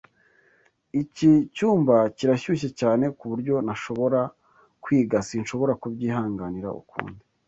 Iki cyumba kirashyushye cyane ku buryo ntashobora kwiga. Sinshobora kubyihanganira ukundi.